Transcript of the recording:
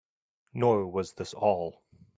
Nor was this all.